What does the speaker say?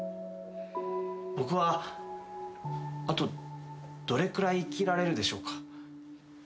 僕はあとどれくらい生きられるでしょうか？